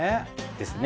ですね。